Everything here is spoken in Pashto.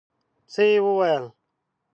څه يې وويل.